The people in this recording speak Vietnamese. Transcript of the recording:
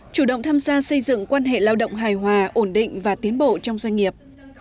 chủ động tham gia xây dựng quan hệ lao động hài hòa ổn định và tiến bộ trong doanh nghiệp